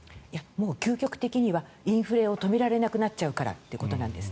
もう究極的にはインフレを止められなくなっちゃうからということです。